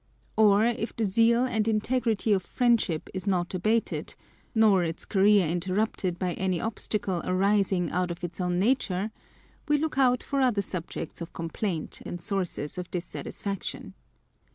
Or if the zeal and integrity of friendship is not abated, [n] or its career interrupted by any obstacle arising out of its own nature, we look out for other subjects of complaint and sources of dissatisfaction.